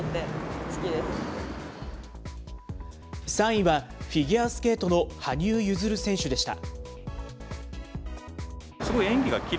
３位はフィギュアスケートの羽生結弦選手でした。